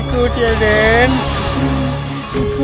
aku tidak media